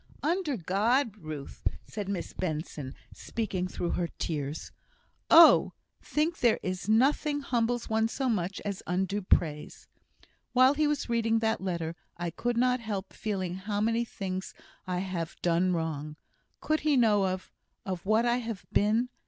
"Under God, Ruth," said Miss Benson, speaking through her tears. "Oh! I think there is nothing humbles one so much as undue praise. While he was reading that letter, I could not help feeling how many things I have done wrong! Could he know of of what I have been?"